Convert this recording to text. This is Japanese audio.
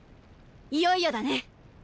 いよいよだね。